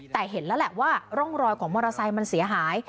แต่เห็นแล้วแหละว่าร่องรอยของมอเตอร์ไซค์มันเสียหาย